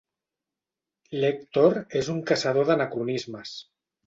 L'Èctor és un caçador d'anacronismes.